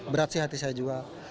berat sih hati saya juga